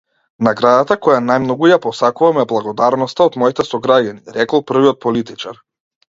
Наградата која најмногу ја посакувам е благодарноста од моите сограѓани, рекол првиот политичар.